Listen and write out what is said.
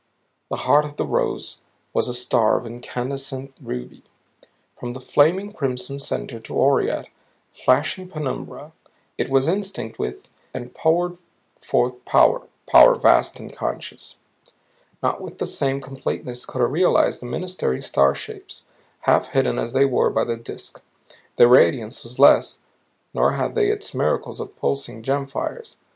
The heart of the rose was a star of incandescent ruby. From the flaming crimson center to aureate, flashing penumbra it was instinct with and poured forth power power vast and conscious. Not with that same completeness could I realize the ministering star shapes, half hidden as they were by the Disk. Their radiance was less, nor had they its miracle of pulsing gem fires.